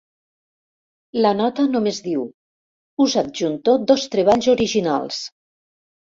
La nota només diu: «Us adjunto dos treballs originals.